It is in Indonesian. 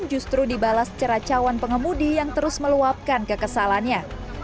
justru dibalas ceracauan pengemudi yang terus meluapkan kekesalannya